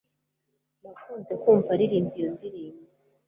Nakunze kumva aririmba iyo ndirimbo